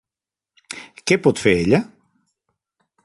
Què pot fer ella?